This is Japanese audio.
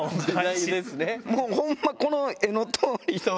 もうほんま、この絵のとおり。